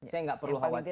saya nggak perlu khawatir